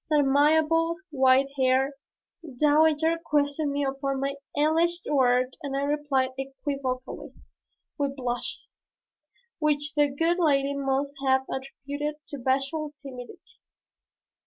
This amiable white haired dowager questioned me upon my alleged work and I replied equivocally, with blushes, which the good lady must have attributed to bashful timidity.